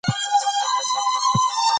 کیمیاګر یو پیاوړی معنوي شخصیت دی.